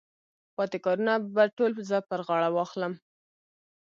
پاتې کارونه به ټول زه پر غاړه واخلم.